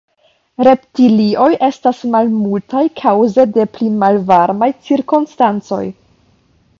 Reptilioj estas malmultaj kaŭze de pli malvarmaj cirkonstancoj.